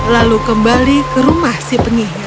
lalu kembali ke rumah si penyihir